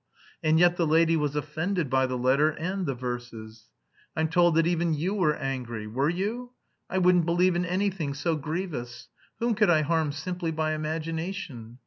And yet the lady was offended by the letter and the verses. I'm told that even you were angry. Were you? I wouldn't believe in anything so grievous. Whom could I harm simply by imagination?